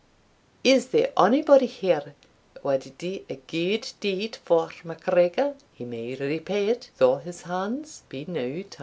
Is there ony body here wad do a gude deed for MacGregor? he may repay it, though his hands be now tied."